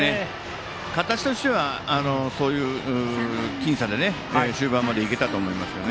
形としてはそういう僅差で中盤まで行けたと思います。